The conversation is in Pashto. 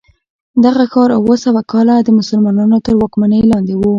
دغه ښار اوه سوه کاله د مسلمانانو تر واکمنۍ لاندې و.